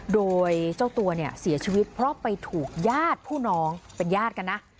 โดยเจ้าตัวเนี่ยเสียชีวิตเพราะไปถูกญาติผู้น้องเป็นญาติกันนะ